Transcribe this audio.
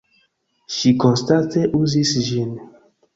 Ŝi konstante uzis ĝin.